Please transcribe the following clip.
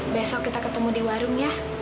besok kita ketemu di warungnya